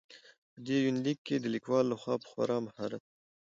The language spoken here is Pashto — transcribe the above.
په دې يونليک کې د ليکوال لخوا په خورا مهارت.